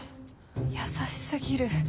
優し過ぎる。